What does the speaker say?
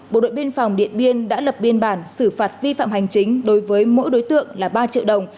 bộ đội biên phòng điện biên đã lập biên bản xử phạt vi phạm hành chính đối với mỗi đối tượng là ba triệu đồng